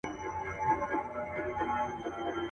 دی په خوب کي لا پاچا د پېښور دی.